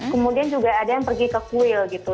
kemudian juga ada yang pergi ke kuil gitu